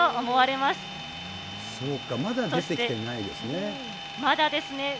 そうか、まだ出てきてないですね。